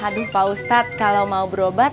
aduh pak ustadz kalau mau berobat